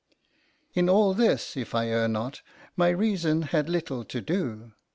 In all this, if I err not, my reason had little to do.